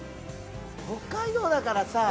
北海道だからさ